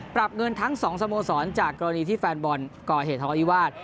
๓ปรับเงินทั้งสองสโมสรจากกรณีที่แฟนบอลก่อเหตุธรรมอิวาส